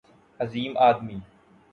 عظیم آدمی